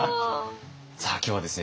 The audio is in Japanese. さあ今日はですね